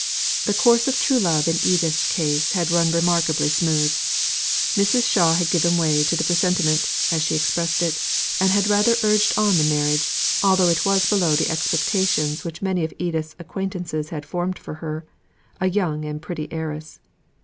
The course of true love in Edith's case had run remarkably smooth. Mrs. Shaw had given way to the presentiment, as she expressed it; and had rather urged on the marriage, although it was below the expectations which many of Edith's acquaintances had formed for her, a young and pretty heiress.